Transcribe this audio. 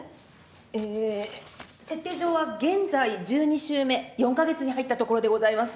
えー設定上は現在１２週目４カ月に入ったところでございます。